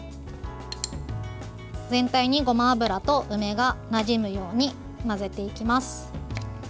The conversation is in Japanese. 全体にごま油と梅がなじむように混ぜていきます。